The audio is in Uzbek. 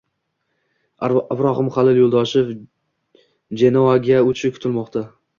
Ibrohimxalil Yo‘ldoshev «Jyenoa»ga o‘tishi kutilmoqda